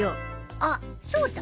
あっそうだ！